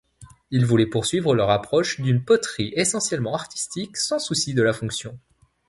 Ils voulaient poursuivre leur approche d'une poterie essentiellement artistique, sans souçi de la fonction.